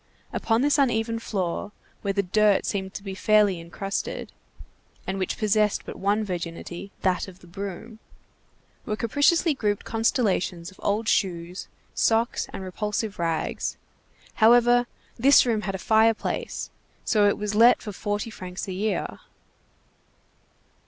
Upon this uneven floor, where the dirt seemed to be fairly incrusted, and which possessed but one virginity, that of the broom, were capriciously grouped constellations of old shoes, socks, and repulsive rags; however, this room had a fireplace, so it was let for forty francs a year.